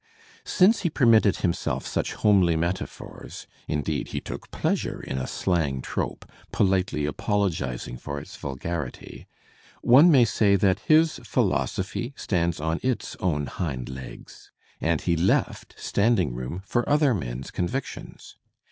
Since he permitted himself suchJ[ome. IyjiietaphQrs (indeed, ^ he took pleasure in a slang trope, politely apologizing for its vulgarity), one may say that his philosophy stands on its own hind legs. And he left standing room for other men's convictions.